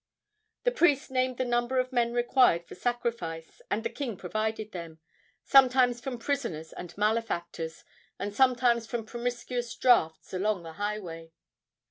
The priests named the number of men required for sacrifice, and the king provided them, sometimes from prisoners and malefactors, and sometimes from promiscuous drafts along the highways.